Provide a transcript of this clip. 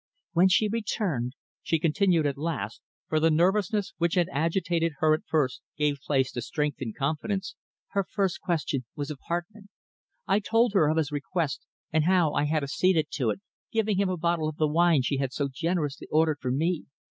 "When she returned," she continued at last, for the nervousness which had agitated her at first gave place to strength and confidence, "her first question was of Hartmann. I told her of his request, and how I had acceded to it, giving him a bottle of the wine she had so generously ordered for me.